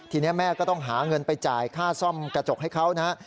ทีนี้แม่ก็ต้องหาเงินไปจ่ายค่าซ่อมกระจกให้เขานะฮะ